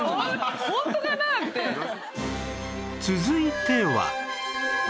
続いては